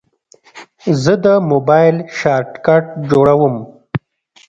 زه د موبایل شارټکټ جوړوم.